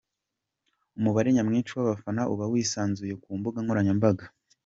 Umubare nyamwishi w'abafana uba wisanzuye ku mbuga nkoranyambaga.